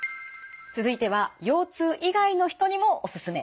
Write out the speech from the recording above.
続いては腰痛以外の人にもオススメ。